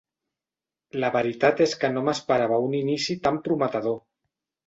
La veritat és que no m'esperava un inici tan prometedor.